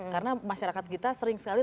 karena masyarakat kita sering sekali